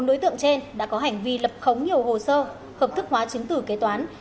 bốn đối tượng trên đã có hành vi lập khống nhiều hồ sơ hợp thức hóa chứng tử kế toán